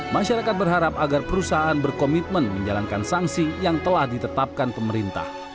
masyarakat berharap agar perusahaan berkomitmen menjalankan sanksi yang telah ditetapkan pemerintah